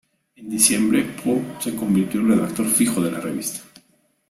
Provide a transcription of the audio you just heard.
En diciembre, Poe se convirtió en redactor fijo de la revista.